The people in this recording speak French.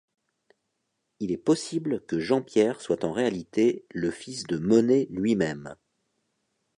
Il est possible que Jean-Pierre soit en réalité le fils de Monet lui-même.